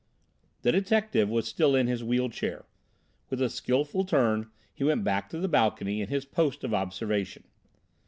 The detective was still in his wheel chair; with a skilful turn he went back to the balcony and his post of observation.